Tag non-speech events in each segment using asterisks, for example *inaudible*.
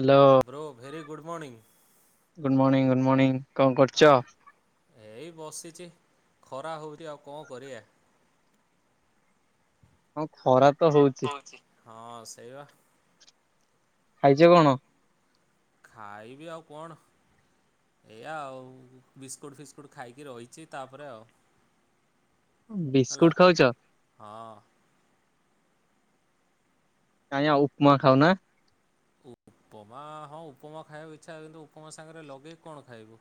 Hello. Bro very good morning. Good morning good morning କଣ କରୁଛ? ଏଇ ବସିଛି ଖରା ହେଉଛି ଆଉ କଣ କରିବା। ହଁ ଖରା ତ ହଉଛି। ହଁ ସେଇ ବା। ଖାଇଛ କଣ? ଖାଇବି ଆଉ କଣ? ଏଇଆ ଆଉ ବିସ୍କୁଟ୍ ଫିସ୍କୁଟ୍ ଖାଇକି ରହିଛି ତାପରେ ଆଉ ହେଲା ବିସ୍କୁଟ ଖାଉଛ? ହଁ। କାଇଁ ଆଉ ଉପମା ଖାଉନା। ଉପମା ହଁ ଉପମା ଖାଇବାକୁ ଇଚ୍ଛା କିନ୍ତୁ ଉପମା ସାଙ୍ଗରେ ଲଗେଇକି କଣ ଖାଇବୁ?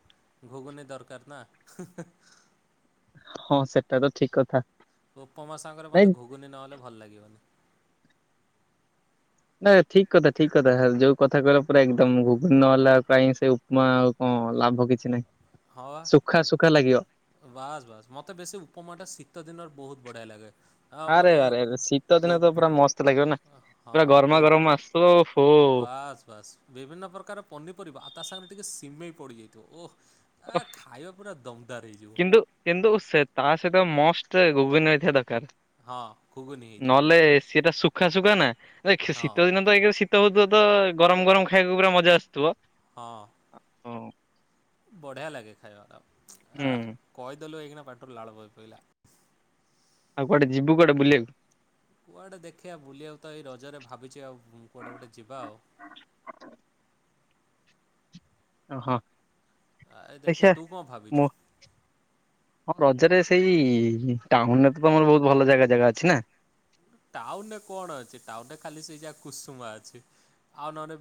ଘୁଗୁନି ଦରକାର ନା। ହଁ ସେଟା ତ ଠିକ କଥା। ତ ଉପମା ସାଙ୍ଗରେ ନାଇଁ ମୋତେ ଘୁଘୁନି ନହେଲେ ଭଲ ଲାଗିବନି। ନାଇ ଠିକ କଥା ଠିକ କଥା ଯୋଉ କଥା କହିଲ ପୁରା ଏକଦମ ଘୁଗୁନି ନହଲା କାଇଁ ସେ ମୋ ଆଉ କଣ ଲାଭ କିଛି ନାହିଁ। ହଁ। ଶୁଖା ଶୁଖା ଲାଗିଵ। ବାସ୍ ବାସ୍ ମତେ ବେଶୀ ଉପମା ଟା ଶୀତ ଦିନରେ ବହୁତ ବଢିଆ ଲାଗେ। ଆଉ ଆରେ ମୋତେ ଆରେ କୋ ଶୀତ ଦିନେ ତ କୋ- ପୁରା ମସ୍ତ ଲାଗିବ ନା ପୁରା ହଁ ଗରମା କୋ ଗରମ ଆସୁଥିବ ଓହୋ। ବାସ୍ ବାସ୍। ବିଭିନ୍ନ ପ୍ରକାର ପନିପରିବା ଆ ତା ସାଙ୍ଗରେ ଟିକେ ସିମେଇ ପଡ଼ିଯାଇଥିବ ଓହ ଆ ଖାଇବା ପୁରା ଦମଦାର ହେଇଯିବ। ତୁ କିନ୍ତୁ ସେ ତା ସହିତ ମଷ୍ଟ ଗୁଗୁନି ହେଇଥିବା ଦରକାର। ହଁ ଖୁଗୁନି ହେଇଥିବା ଦରକାର। ସେଇଟା ସୁଖା ସୁଖା ନା ନାକ ଶୀତ ଦିନ ତ ଏକ ସିତ ତ ହଉଥିବ ତ ଗରମ ଗରମ ଖାଇବାକୁ ପୁରା ମଜା ଆସୁଥିବ। ହଁ। ଆପଣ। ବଢ଼ିଆ ଲାଗେ ଖାଇବାଟା ଆ କହିଦେଲୁ ଏଇଖିନା ପାଟି ରୁ ଲାଳ ବୋହିପଇଲା। ଆଉ କୁଆଡେ ଯିବୁ କୁଆଡେ ବଲିବାକୁ? କୁଆଡ଼େ ଦେଖିବା ବୁଲିବାକୁ ତ ଏଇ ରଜରେ ଭାବିଛି ଆଉ କୁଆଡ଼େ ଗୋଟେ ଯିବା ଆଉ। ଆଉ ହଁ ଆ, ଏ ଦେଖିବା ଦେଖିଆ ତୁ କଣ ଭାବିଛୁ ମୋ ହଁ ରଜରେ ସେଇ ଟାଉନରେ ତମର ବହୁତ ଭଲ ଜାଗା ଜାଗା ଅଛି ନା ଟାଉନରେ କଣ ଅଛି ଟାଉନରେ ଖାଲି ସେଇ ଯାହା କୁସୁମା ଅଛି। ଆଉ ନହେଲେ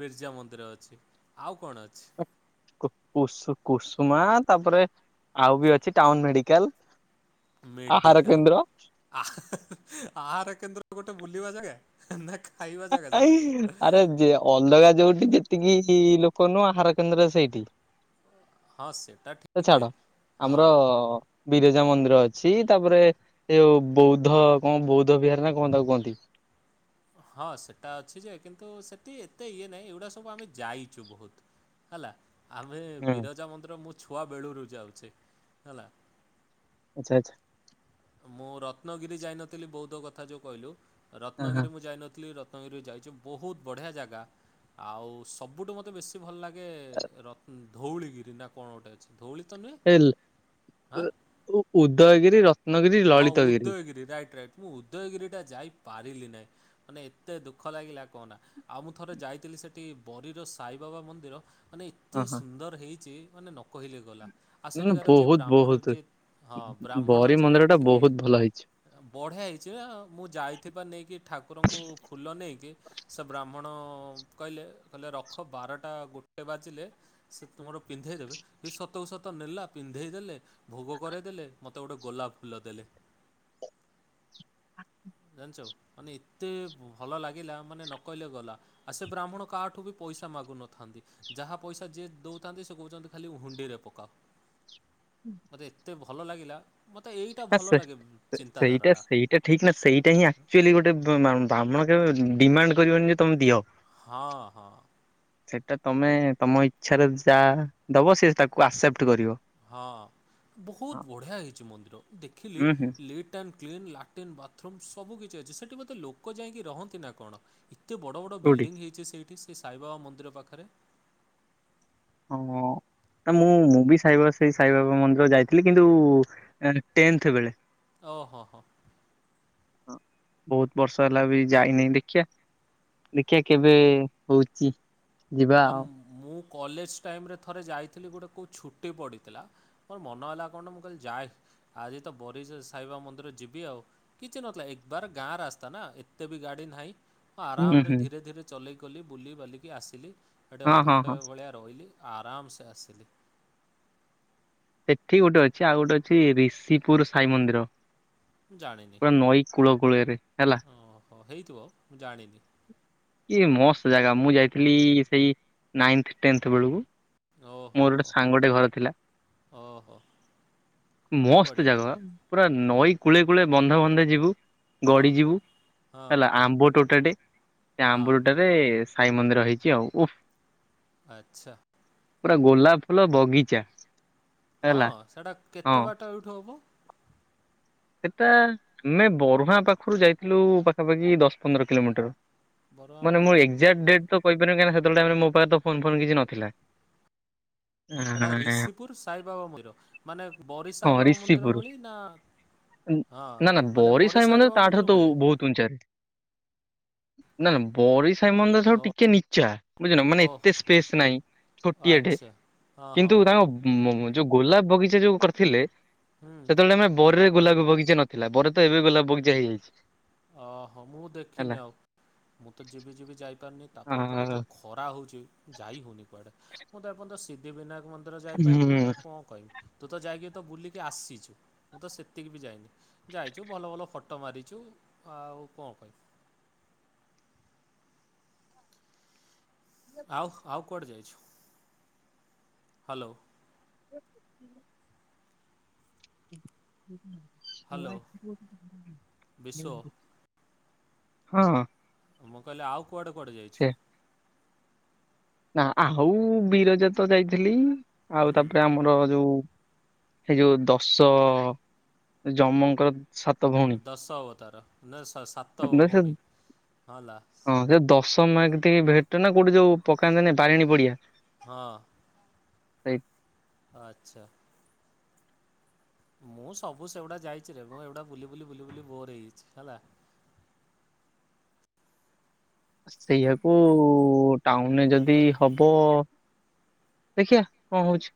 ବିର୍ଜା ମନ୍ଦିର ଅଛି ଆଉ କଣ ଅଛି। କୁସୁ କୁସୁମା ତାପରେ ଆଉ ବି ଅଛି ଟାଉନ ମେଡିକାଲ। ଆହାର ମେଡିକାଲ। କେନ୍ଦ୍ର। ଆ ଆହାର କେନ୍ଦ୍ର ଗୋଟେ ବୁଲିବା ଜାଗା ନା ଖାଇବା ଜାଗା ସେଟା? *unintelligible* ଅଲଗା ଯୋଉଠି ଯେତିକି ଲୋକ ନୁହଁ ଆହାର କେନ୍ଦ୍ର ସେଇଠି ହଁ ସେଟା ସେ ଠିକ୍ ଯେ ଛାଡ଼ ହଁ ଆମର ବିରଜା ମନ୍ଦିର ଅଛି ତାପରେ ସେ ଯଉ ବୌଦ୍ଧ କଣ ବୌଦ୍ଧ ବିହାର ନା କଣ ତାକୁ କହନ୍ତି। ହଁ ସେଟା ଅଛି ଯେ କିନ୍ତୁ ସେଠି ଏତେ ଇଏ ନାହିଁ ଏଗୁଡ଼ା ସବୁ ଆମେ ଯାଇଛୁ ବହୁତ। ହେଲା। ଆମେ ହୁଁ। ବିରଜା ମନ୍ଦିର ମୁଁ ଛୁଆବେଳୁରୁ ଯାଉଛି ହେଲା। ଆଛା ଆଛା। ମୁଁ ରତ୍ନଗିରି ଯାଇନଥିଲି ବୌଦ୍ଧ କଥା ଯଉ କହିଲୁ ହଁ ହଁ ରତ୍ନଗିରି ମୁ ଯାଇନଥିଲି ରତ୍ନଗିରି ଯାଇଚି ବହୁତ୍ ବଢିଆ ଜାଗା ଆଉ ସବୁଠୁ ମୋତେ ବେଶୀ ଭଲ ଲାଗେ ଆଗେ ରତ ଧଉଳିଗିରି ନା କଣ ଗୋଟେ ଅଛି ଧଉଳି ତ ନୁହେଁ ଏ ଆଁ ଉଦୟଗିରି ରତ୍ନଗିରି ହଁ ଲଳିତଗିରି ଉଦ୍ଦୟଗିରି ରାଇଟ ରାଇଟ। ମୁଁ ଉଦୟଗିରିଟା ଯାଇପାରିଲି ନାହିଁ। ମାନେ ଏତେ ଦୁଃଖ ଲାଗିଲା କହନା ଆଉ ମୁଁ ଥରେ ଯାଇଥିଲି ସେଠି ବରିର ସାଇବାବା ମନ୍ଦିର ମାନେ ଏତେ ହଁ ହଁ। ସୁନ୍ଦର ହେଇଛି ମାନେ ନ କହିଲେ ଗଲା। ଆଉ ନା ସେଠିକାର ଯିଏ ବହୁତ ବ୍ରାହ୍ମଣ ବହୁତ ଯିଏ ହଁ ବ୍ରାହ୍ମଣ ବରି ଯିଏ ମନ୍ଦିର ଟା ଥିଲେ ବହୁତ ଭଲ ହେଇଛି। ବଢ଼ିଆ ହେଇଛି ନା ମୁଁ ଯାଇଥିବା ନେଇକି ଠାକୁରଙ୍କୁ ଫୁଲ ନେଇକି ସେ ବ୍ରାହ୍ମଣ କହିଲେ କହିଲେ ରଖ, ବାରଟା ଗୋଟେ ବାଜିଲେ ସେ ତୁମର ପିନ୍ଧେଇ ଦେବେ, ବି ସତକୁ ସତ ନେଲା ପିନ୍ଧେଇ ଦେଲେ ଭୋଗ କରେଇଦେଲେ, ମତେ ଗୋଟେ ଗୋଲାପ ଫୁଲ ଦେଲେ। ଜାଣିଛ, ମାନେ ଏତେ ଭଲ ଲାଗିଲା ମାନେ ନକହିଲେ ଗଲା। ଆଉ ସେ ବ୍ରାହ୍ମଣ କାହାଠୁ ବି ପଇସା ମାଗୁନଥାନ୍ତି। ଯାହା ପଇସା ଯିଏ ଦଉଥାନ୍ତି, ସିଏ କହୁଛନ୍ତି ଖାଲି ହୁଣ୍ଡିରେ ପକାଅ। ମୋତେ ଏତେ ଭଲ ଲାଗିଲା, ମତେ ଏଇଟା ନା ସେ ଭଲ ଲାଗେ ସେଇଟା ଚିନ୍ତାଧାରାଟା। ସେଇଟା ଠିକ ନା ସେଇଟା ହିଁ ଆକ୍ଚୁଆଲି ଗୋଟେ ବା-ବା-ବ୍ରାହ୍ମଣ କେବେ ଡିମାଣ୍ଡ କରିବନି ଯେ ତମେ ଦିଅ। ହଁ ହଁ। ସେଇଟା ତମେ ତମ ଇଚ୍ଛାରେ ଯାହା ଦବ, ସେ ତାକୁ ଆକ୍ସେପ୍ଟ କରିବ। ହଁ ହଁ ବହୁତ ବଢ଼ିଆ ହେଇଛି ମନ୍ଦିର, ଦେଖିଲି ହୁଁ ହୁଁ ଲିଟ୍ ଟ୍ ଆଣ୍ଡ କ୍ଲିନ୍, ଲାଟିନ୍ ବାଥରୁମ୍ ସବୁ କିିଛି ଅଛି। ସେଠି ବୋଧେ ଲୋକ ଯାଇକି ରହନ୍ତି ନା କଣ? ଏତେ ବଡ଼ ବଡ଼ କୋଉଠି? ବିଲ୍ଡିଙ୍ଗ ହେଇଛି ସେଇଠି, ସେଇ ସାଇବାବା ମନ୍ଦିର ପାଖରେ। ଓ ହଁ। ନା ମୁଁ ମୁଁ ବି ସାଇବାବା ସେଇ ସାଇବାବା ମନ୍ଦିର ଯାଇଥିଲି କିନ୍ତୁ ଟେନ୍ଥ ବେଳେ। ଓହୋ ହୋ। ବହୁତ ବର୍ଷ ହେଲା ବି ଯାଇନେଇ ଦେଖିଆ ଦେଖିଆ କେବେ ହଉଚି। ଆ ମୁଁ କଲେଜ ଟାଇମରେ ଥରେ ଯାଇଥିଲି ଗୋଟେ କୋଉ ଛୁଟି ପଡ଼ିଥିଲା। ମୋର ମନ ହେଲା କଣ ମୁଁ କହିଲି ଯାଏ, ଆଜି ତ ବରି ସେ ସାଇବାବା ମନ୍ଦିର ଯିବି ଆଉ। କିଛି ନଥିଲା ଏକ ବାର ଗାଁ ରାସ୍ତା ନା ଏତେ ବି ଗାଡି ନାହିଁ ମୁଁ ହୁଁ ଆରାମରେ ହୁଁ ଧୀରେ ଧୀରେ ଚଲେଇକଲି ବୁଲି ବାଲିକି ଆସିଲି। ସେଠି ହଁ ହଁ ଅଧଘଣ୍ଟେ ହଁ ଭଳିଆ ରହିଲି, ଆରାମସେ ଆସିଲି। ସେଠି ଗୋଟେ ଅଛି, ଆଉ ଗୋଟେ ଅଛି ରିଷିପୁର ସାଇ ମନ୍ଦିର। ଜାଣିନି। ପୁରା ନଈ କୂଳ କୂଳରେ। ହେଲା ଓହୋ। ହେଇଥିବ, ମୁଁ ଜାଣିନି। ଇଏ ମସ୍ତ ଜାଗା, ମୁଁ ଯାଇଥିଲି ସେଇ ନାଇନ୍ଥ ଟେନ୍ଥ ବେଳୁକୁ ଓହୋ ହୋ, ଓହୋ। ମସ୍ତ ବଢ଼ିଆ ଜାଗା ବା। ପୁରା ନଈ କୂଳେ କୂଳେ ବନ୍ଧେ ବନ୍ଧେ ଯିବୁ ହଁ ଗଡିଯିବୁ, ହଁ ହେଲା ଆମ୍ବ ଟୋଟାଟେ, ସେ ହଁ ଆମ୍ବ ଟୋଟା ରେ ସାଇ ମନ୍ଦିର ହେଇଛି ଆଉ, ଉଫ ଆଚ୍ଛା। ପୁରା ଗୋଲାପ ଫୁଲ ବଗିଚା। ହଁ, ହେଲା। ସେଇଟା ହଁ କେତେ ବାଟ ଏଇଠୁ ହବ? ସେଇଟା, ଆମେ ବରୁହାଁ ପାଖରୁ ଯାଇଥିଲୁ ପାଖାପାଖି ଦଶ ପନ୍ଦର କିଲୋମିଟର। ମାନେ ମୁଁ ଏକ୍ଜାକ୍ଟ ଡେଟ ତ କହିପାରିବିନି, କାହିଁକିନା ସେତେବେଳେ ମୋ ପାଖରେ ତ ଫୋନ ଫୋନ୍ କିଛି ନଥିଲା। ସେଟା ରିଷିପୁର ସାଇବାବା ମନ୍ଦିର, ମାନେ ବରି ହଁ ସାଇବାବା ମନ୍ଦିର ରିଷିପୁର। ଭଳି ନା ନା ନା ହଁ, ମାନେ ବରି ସାଇ ସାଇବାବା ତାଠାରୁ ମନ୍ଦିର ତ ଭଳିଆ? ବହୁତ ଉଞ୍ଚାରେ। ନା ନା, ବରି ସାଇ ମନ୍ଦିରଠାରୁ ଓ ଟିକେ ନିଚ୍ଚା, ବୁଝିନ ମାନେ ଏତେ ଓହୋ ସ୍ପେସ ନାଇଁ ଆଚ୍ଛା। ଓ ହୋ ହଁ। ମୁଁ-ମୁଁ ଯୋଉ ଗୋଲାପ ବଗିଚା ଯୋଉ କରିଥିଲେ, ହୁଁ ସେତେବେଳେ ଆମେ ବରିରେ ଗୋଲାପ ବଗିଚା ନଥିଲା, ବରିରେ ତ ଏବେ ଗୋଲାପ ବଗିଚା ହେଇଯାଇଛି। ଓହୋ। ମୁଁ ହେଲା ଦେଖିନି ଆଉ। ମୁଁ ତ ଯିବି ଯିବି ଯାଇପାରୁନି, ଆ ତାପରେ ଏପଟେ ଯୋଉ ଖ ଖରା ହଉଛି ଯାଇ ହେଉନି କୁଆଡ଼େ। ମୁଁ ତ ଏପର୍ଯ୍ୟନ୍ତ ସି ଦ୍ଧିବିନାୟକ ମନ୍ଦିର ଯାଇପାରୁନି ଆଉ କଣ କହିବି। ତୁ ତ ଯାଇକି ତ ବୁଲିକି ଆସିଛୁ, ମୁଁ ତ ସେତିକି ବି ଯାଇନି। ଯାଇଛୁ, ଭଲ ଭଲ ଫଟୋ ମାରିଛୁ, ଆଉ କଣ କହିବି। ଆଉ ଆଉ କୁଆଡେ ଯାଇଛୁ? ହ୍ୟାଲୋ। *unintelligible* ହ୍ୟାଲୋ ବିଶୁ *unintelligible* ହଁ। ମୁଁ କହିଲି ଆଉ କୁଆଡେ କୁଆଡେ ଯାଇଛୁ? ସେ ନା ଆଉ ବିରଜା ତ ଯାଇଥିଲି। ଆଉ ତାପରେ ହୁଁ ଆମର ଯୋଉ ଏହି ଯୋଉ ଦଶ ଜମଙ୍କର ଦଶ ଅବତାର ନା ସା-ସା-ସାତ ସେ ଭଉଣୀ ହଁଲା। ହଁ ସେ ଦଶ ତମେ ଟେ ଭେଟନା କୋଉଠି ଯୋଉ ପକାନ୍ତେନି ବାରିଣୀ ପଡିଆ। ହଁ। ସେଇ ଆଚ୍ଛା। ମୁଁ ସବୁ ସେଗୁଡା ଯାଇଛି ରେ। ମୁଁ ଏଇଗୁଡା ବୁଲି ବୁଲି ବୁଲି ବୁଲି ବୋର ହେଇଯାଇଛି ହେଲା। ସେଇଆକୁ ଟାଉନରେ ଯଦି ହବ ଦେଖିିବା କଣ ହଉଛି।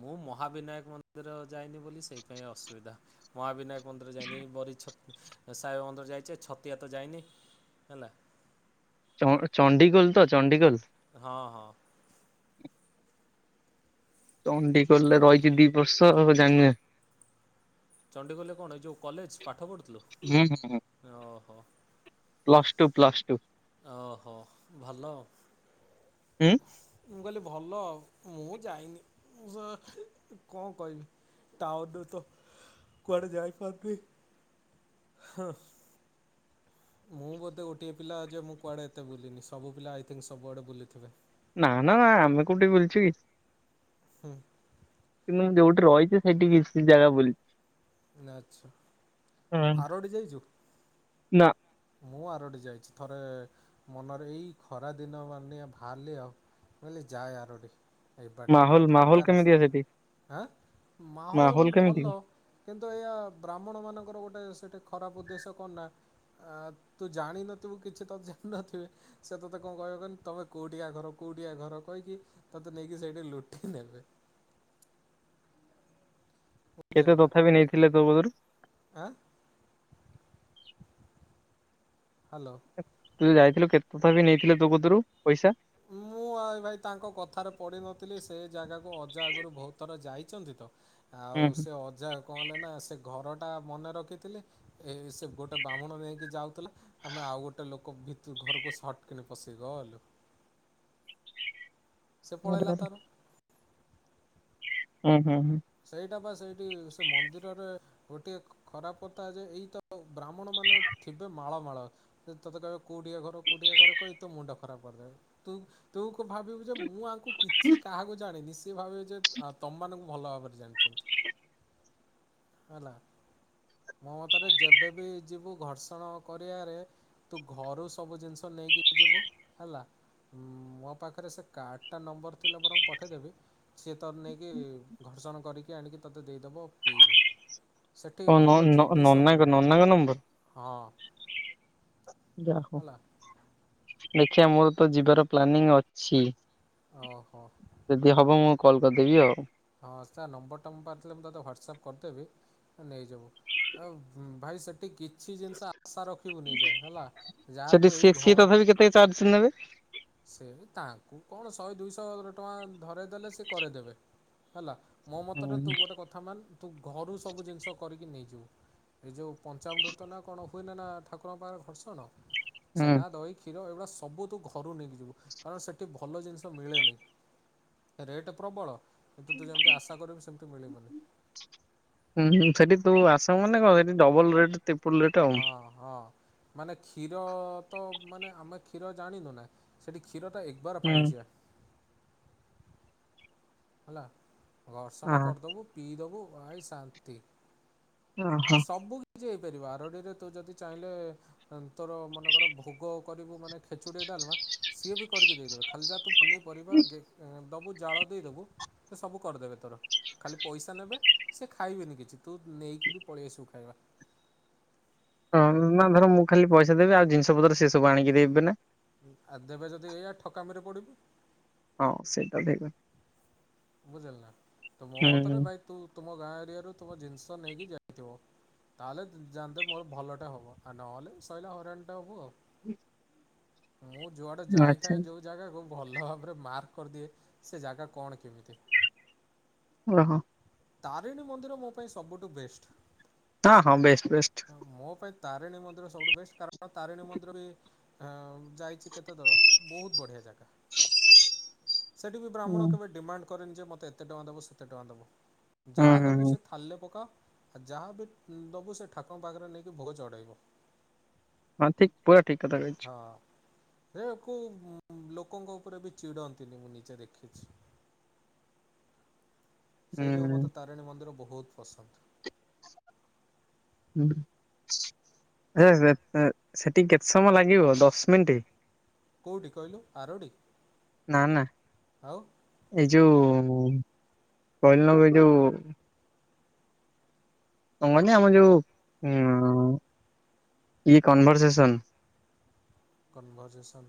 ମୁଁ ମହାବିନାୟକ ମନ୍ଦିର ଯାଇନି ବୋଲି ସେଇଥିପାଇଁ ଅସୁବିଧା। ମହାବିନାୟକ ମନ୍ଦିର ଯାଇନି ବରି ଛତ୍ ସାଇବାବା ମନ୍ଦିର ଯାଇଛି ଛତିଆ ତ ଯାଇନି ହେଲା। ଚ ଚଣ୍ଡିଖୋଲ ତ ଚଣ୍ଡିଖୋଲ। ହଁ ହଁ। ଚଣ୍ଡିଖୋଲରେ ରହିଛି ଦି ବର୍ଷ ଜାଣି ନା। ଚଣ୍ଡିଖୋଲ କଣ ଏ ଯେଉଁ କଲେଜ ପାଠ ପଢୁଥିଲୁ ହୁଁ ଓହୋ। Plus two plus two. ଓହୋ ଭଲ ଆଉ। ହୁଁ ମୁଁ କହିଲି ଭଲ ଆଉ। ମୁଁ ଯାଇନି ମୁଁ କଣ କହିବି? ତାଉନରୁ ତ କୁଆଡେ ଯାଇପାରୁନି ହ। ମୁଁ ବୋଧେ ଗୋଟିଏ ପିଲା ଯେ ମୁଁ କୁଆଡେ ଏତେ ବୁଲିିନି। ସବୁ ପିଲା ଆଇଥିଙ୍କ ସବୁଆଡେ ବୁଲିଥିବେ। ନା ନା ଆମେ କୋଉଠି ବୁଲିଛୁ କି? ହଁ। କିନ୍ତୁ ମୁଁ ଯୋଉଠି ରହିଛି ସେଇଠି କିଛି ଜାଗା ବୁଲି ନା। ହୁଁ। ଫାରଡି ଯାଇଛୁ? ନା। ମୁଁ ଆରଟି ଯାଇଛି। ଥରେ ମନରେ ଏଇ ଖରା ଦିନ ମାନେ ବାହାରିଲି ଆଉ। ମୁଁ ଖାଲି ଯାଏ ଆରଡି। ଏବାଟେ ଆମର ମାହୋଲ ଫାଙ୍କା ମାହୋଲ କେମିତିଆ ରାସ୍ତା ସେଠି ନା। ଆଁ ମାହୋଲ ଭଲ। କିନ୍ତୁ ଏହା ବ୍ରାହ୍ମଣମାନଙ୍କର ଗୋଟେ ସେଇଠି ଖରାପ ଉଦ୍ଦେଶ୍ୟ କଣ ନା ତୁ ଜାଣିନଥିବୁ କିଛି ତ ଜାଣିନଥିବେ। ସେ ତୋତେ କଣ କହିବେ କହନି ତମେ କୋଉଠିଆ ଘର କୋଉଠିଆ ଘର। କହିକି ତତେ ନେଇକି ସେଇଠି ଲୁଟି ନେବେ। କେତେ ବୁଝିଲୁ ନା ତଥାବିି ନେଇଥିଲେ ତୋ କତିରୁ? ଆଁ। ହାଲୋ। ତୁ ଯୋଉ ଯାଇଥିଲୁ କେତେ ତଥାବିି ନେଇଥିଲେ ତୋ କତିରୁ ପଇସା? ମୁଁ ଆ ଭାଇ ତାଙ୍କ କଥାରେ ପଡି ନଥିଲି। ସେ ଜାଗାକୁ ଅଜା ଆଗରୁ ବହୁତ ଥର ଯାଇଛନ୍ତି ତ। ଆଉ ହୁଁ ହୁଁ। ସେ ଅଜା କଣ ହେଲେ ନା ସେ ଘରଟା ମନେ ରଖିଥିଲେ। ଏ ସେ ଗୋଟେ ବ୍ରହ୍ମଣ ନେଇକି ଯାଉଥିଲା। ଆମେ ଆଉ ଗୋଟେ ଲୋକ ଭିତ ଘରକୁ ସର୍ଟ କିଣି ପଶିଗଲୁ। ସେ ଆରେ ପଳେଇଲା ଆରେ। ତାର। ହୁଁ ହୁଁ ହୁଁ। ସେଇଟା ବା ସେଇଠି ସେ ମନ୍ଦିରରେ ଗୋଟିଏ ଖରାପ କଥା ଯେ ଏଇତ ବ୍ରାହ୍ମଣ ମାନେ ଥିବେ ମାଳ ମାଳ। ତୋତେ କହିବେ କୋଉଠିକା ଘରେ କୋଉଠିକା ଘର କହି ତୋ ମୁଣ୍ଡ ଖରାପ କରିଦେବ ତୁ ତୁ ଭାବିବୁ ଯେ ମୁଁ ଆଙ୍କୁ କିଛି କାହାକୁ ଜାଣିନି। ସିଏ ଭାବିବେ ଯେ ତମମାନଙ୍କୁ ମୁଁ ଭଲ ଭାବରେ ଜାଣିଛନ୍ତି ହେଲା। ମୋ ମତରେ ଯେବେ ବି ଯିବୁ ଘର୍ଷଣ କରିବାରେ ତୁ ଘରୁ ସବୁ ଜିନିଷ ନେଇକି ଯିବୁ ହେଲା। ମୋ ପାଖରେ ସେ କାର୍ଡ଼ଟା ନମ୍ବର ଥିଲେ ବରଂ ପଠେଇଦେବି ସିଏ ତୋତେ ନେଇକି ଘର୍ଷଣ କରିକି ଆଣିକି ତୋତେ ଦେଇଦେବ। ପିଇବୁ ସେଠି ଓ ନ ଭଲ ନ ଜିନିଷ ନନାଙ୍କ ମିଳୁନି ନନାଙ୍କ ନମ୍ବର? ହଁ। ଯାହାହେଉ ହେଲା। ଦେଖିବା ମୋର ତ ଯିବାର ପ୍ଲାନିଂ ଅଛି। ଓହୋ। ଯଦି ହବ ମୁଁ କଲ୍ କରିଦେବି ଆଉ। ହଁ ସାର୍ ନମ୍ବର ଟା ମୋପାଖରେଥିଲେ ମୁଁ ତୋତ ହ୍ୱାଟ୍ଆପ୍ କରିଦେବି। ନେଇଯିବୁ ଆଉ ଭାଇ ସେଠି କି କିଛି ଜିନିଷ ଆଶା ରଖିବୁନି ଯେ ହେଲା ଯାହା ସେଠି ତୁ ସିଏ ଏଇ ସିଏ ଘରୁ ତଥାପି କେତେ ଚାର୍ଜ ନେବେ? ସେ ତାଙ୍କୁ କଣ ଶହେ ଦୁଇଶହ ଟଙ୍କା ଧରେଇଦେଲେ ସେ କରିଦେବେ। ହେଲା ମୋ ହୁଁ ମତରେ ତୁ ଗୋଟେ କଥା ମାନ ତୁ ଘରୁ ସବୁ ଜିନିଷ କରିକି ନେଇଯିବୁ। ଏ ଯୋଉ ପଞ୍ଚାମ୍ବୃତ ନା କଣ ହୁଏନା ନା ଠାକୁରଙ୍କ ପାଖରେ ଘର୍ଷଣ। ହୁଁ ଛେନା ଦହି କ୍ଷୀର ଏଇଗୁଡା ସବୁ ତୁ ଘରୁ ନେଇକି ଯିବୁ କାରଣ ସେଠି ଭଲ ଜିନିଷ ମିଳେ ନି। ରେଟ୍ ପ୍ରବଳ କିନ୍ତୁ ତୁ ଯେମିତି ଆଶା କରିବୁ ସେମିତି ମିଳିବନି। ହୁଁ ହୁଁ ସେଠି ତୁ ଆସେ ମାନେ ନା କଣ ସେଠି ଡବଲ ରେଟ ହଁ। ହଁ ମାନେ କ୍ଷୀର ତ ମାନେ ଆମେ କ୍ଷୀର ଜାଣିନୁ ନା ସେଠି କ୍ଷୀରଟା ବର ହୁଁ ପାଇଞ୍ଚିଆ। ହେଲା ଅ ଘର୍ଷଣ କରିଦେବୁ ପିଇଦବୁ ଭାଇ ଶାନ୍ତି। ହ। ସବୁ କିଛି ହେଇପାରିବ ଆରଡିରେ ତୁ ଯଦି ଚାହିଁଲେ ତୋର ମନେକର ଭୋଗ କରିବୁ ମାନେ ଖେଚୁଡି ଡାଲମା ସିଏ ବି କରିକି ଦେଇଦେବେ। ଖାଲି ଜାହା ତୁ ପନିପରିବା ଦେବୁ ଜାଳ ଦେଇଦବୁ ସେ ସବୁ କରିଦେବେ ତୋର। ଖାଲି ପଇସା ନେବେ ସେ ଖାଇବେନି କିଛି ତୁ ନେଇକି ବି ପଳେଇ ଆସିବୁ ଖାଇବା। ହଁ ନା ଧର ମୁଁ ଖାଲି ପଇସା ଦେବି ଆଉ ଜିନିଷ ପତ୍ର ସେ ସବୁ ଆଣିକି ଦେବେ ନା ଆଉ ଦେବେ ଯଦି ଏଇଆ ଠକାମିରେ ପଡ଼ିବୁ। ହଁ ସେଇଟା ଭାଇ। ବୁଝିଲ ନା ତ ମୋ ହୁଁ ମତରେ ଭାଇ ତୁ ତୁମ ଗାଁ ଏରିଆରୁ ତୁମ ଜିନିଷ ନେଇକି ଯାଇଥିବ। ତାହେଲେ ଜାଣନ୍ତେ ମୋର ଭଲଟା ହବ ଆଉ ନହେଲେ ସରିଲା ହଇରାଣଟା ହବୁ ଆଉ। *unintelligible* ମୁଁ ଯୁଆଡେ ଆଚ୍ଛା ଯାଇଥାଏ ଯୋଉ ଜାଗାକୁ ଭଲ ଭାବରେ ମାର୍କ କରିଦିଏ ସେ ଜାଗା କଣ କେମିତି। ତି ଓହୋ। ତାରେଣୀ ମନ୍ଦିର ମୋ ପାଇଁ ସବୁଠୁ ବେଷ୍ଟ ହଁ ହଁ ବେଷ୍ଟ ବେଷ୍ଟ ମୋ ପାଇଁ ତାରିଣୀ ମନ୍ଦିର ସବୁଠୁ ବେଷ୍ଟ କାରଣ ତାରିଣୀ ମନ୍ଦିର ରେ ଯାଇଛି କେତେ ଥର ବହୁତ ବଢ଼ିଆ ଜାଗା। ସେଠି ବି ହୁଁ ବ୍ରାହ୍ମଣ କେବେ ଡିମାଣ୍ଡ କରେନି ଯେ ମୋତେ ଏତେ ଟଙ୍କା ଦେବ ସେତେ ଟଙ୍କା ଦେବ। ହୁଁ ଯାହା ହୁଁ ଦେବୁ ହୁଁ ସେ ଥାଲେ ପକାଅ ଯାହା ବି ଦେବୁ ସେ ଠାକୁଙ୍କ ପାଖରେ ନେଇକି ଭୋଗ ଚଢ଼େଇବ। ହଁ ଠିକ ପୁରା ଠିକ କଥା କହିଛୁ ହଁ। ହେ କଉ ଲୋକଙ୍କ ଉପରେ ବି ଚିଡନ୍ତିନି ମୁଁ ନିଜେ ଦେଖିଛି। ସେହି ଯୋଗୁଁ ହୁଁ। ମୋତେ ତାରିଣୀ ମନ୍ଦିର ବହୁତ ପସନ୍ଦ। *unintelligible* ସେଠିକି କେତେ ସମୟ ଲାଗିବ ଦଶ ମିନିଟ କୋଉଠି କହିଲୁ ଆରଡୀ? ନା ନା। ଆଉ। ଏଇ ଯୋଉ କହିଲ ନୁ ଏଯୋଉ କଣ କହନ ଆମର ଯୋଉଁ କନଭରସେସନ କନଭରଜେସନ୍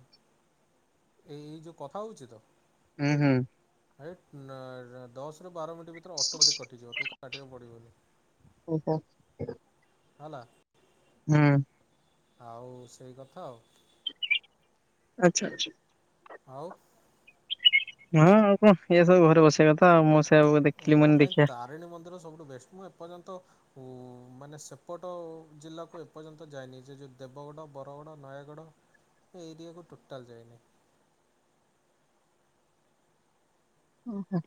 ଏ ଏଇ ଯୋଉ କଥା ହଉଛି ତ। ହୁଁ ହୁଁ। ଭାଇ ନା ଦଶରୁ ବାର ମିନିଟ୍ ଭିତରେ ଅଟୋମେଟିକ୍ କଟିଯିବ ତୁ କାଟିବାକୁ ପଡ଼ିବନି। ଓ ହୋ। ହା ଲା। ହୁଁ। ଆଉ ସେଇ କଥା ଆଉ ଆଚ୍ଛା ଆଛା। ଆଉ। ହଁ ଆଉ କଣ ଏଇଆ ସବୁ ଘରେ ବସିବା କଥା ଆଉ ମୁଁ ସେ ମୋ ପାଇଁ ତାରିଣୀ ମନ୍ଦିର ସବୁଠୁ ବେଷ୍ଟ ମୁଁ ଏପର୍ଯ୍ୟନ୍ତ ମୁଁ ମାନେ ସେପଟ ଜିଲ୍ଲାକୁ ଏପର୍ଯ୍ୟନ୍ତ ଯାଇଏନି ଯେ ଦେବଗଡ଼, ବରଗଡ଼, ନୟାଗଡ଼ ସେ ଏରିିଆକୁ ଟୁଟାଲ ଯାଏନି। ଓହୋ।